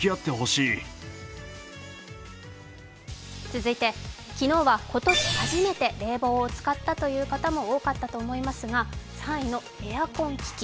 続いて昨日は今年初めて冷房を使ったという方も多かったと思いますが３位のエアコン危機。